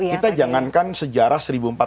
kita jangankan sejarah seribu empat ratus